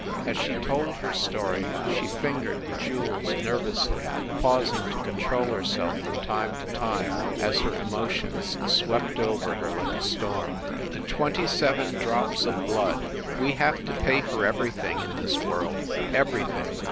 As she told her story she fingered the jewels nervously, pausing to control herself from time to time as her emotions swept over her like a storm. 126 FIND THE WOMAN THE TWENTY SEVEN DROPS OF BLOOD We have to pay for everything, in this world, everything.